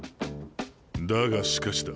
だがしかしだ。